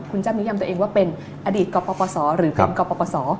คุณจ้ำนิยำตัวเองว่าเป็นอดีตกปศหรือเป็นกปศ